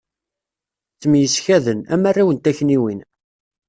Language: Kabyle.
Ttemyeskaden, am arraw n takniwin.